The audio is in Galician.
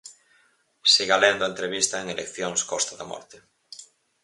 Siga lendo a entrevista en eleccións Costa da Morte.